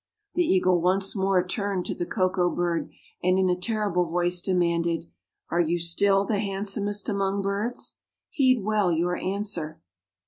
The eagle once more turned to the Koko bird and in a terrible voice demanded: "Are you still the handsomest among birds? Heed well your answer."